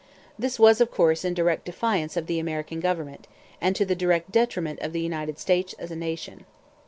This was, of course, in direct defiance of the American government, and to the direct detriment of the United States as a nation.